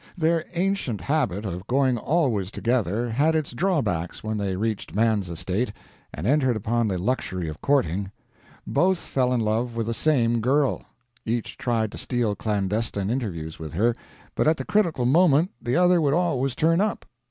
Their ancient habit of going always together had its drawbacks when they reached man's estate, and entered upon the luxury of courting. Both fell in love with the same girl. Each tried to steal clandestine interviews with her, but at the critical moment the other would always turn up.